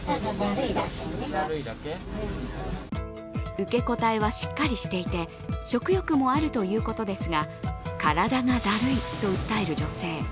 受け答えはしっかりしていて食欲あるということですが体がだるいと訴える女性。